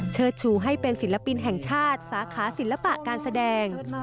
ชูให้เป็นศิลปินแห่งชาติสาขาศิลปะการแสดง